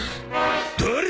誰だ！？